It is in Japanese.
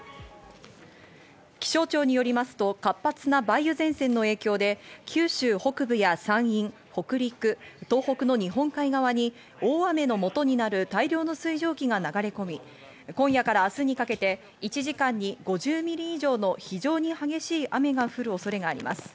気象庁によりますと、活発な梅雨前線の影響で九州北部や山陰、北陸、東北の日本海側に大雨のもとになる大量の水蒸気が流れ込み、今夜から明日にかけて１時間に５０ミリ以上の非常に激しい雨が降る恐れがあります。